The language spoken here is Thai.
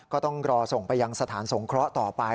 ก็ต้องรอส่งไปยังสถานสงเคราะห์ต่อไป